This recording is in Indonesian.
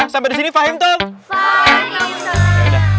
sampai disini fahim tung